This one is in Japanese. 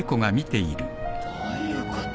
どういうこと？